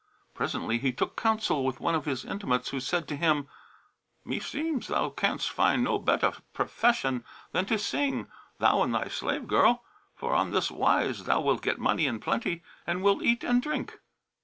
Presently he took counsel with one of his intimates, who said to him, "Meseems thou canst find no better profession than to sing, thou and thy slave girl; for on this wise thou wilt get money in plenty and wilt eat and drink."